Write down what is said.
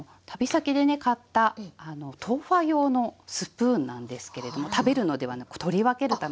買った豆花用のスプーンなんですけれども食べるのではなく取り分けるためのスプーン。